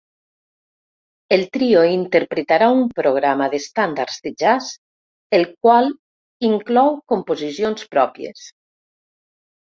El trio interpretarà un programa d’estàndards de jazz, el qual inclou composicions pròpies.